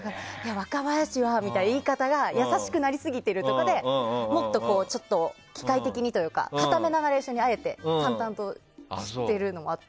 若林は、の言い方がやさしくなりすぎてるとかでもっと機械的にというか堅めなナレーションに淡々としているのもあって。